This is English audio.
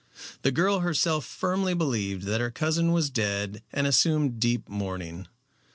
The girl herself firmly believed that her cousin was dead and assumed deep mourning.